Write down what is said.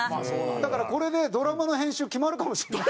だからこれでドラマの編集決まるかもしれない。